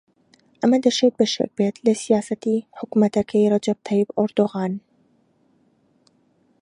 ئەمە دەشێت بەشێک بێت لە سیاسەتی حکوومەتەکەی ڕەجەب تەیب ئەردۆغان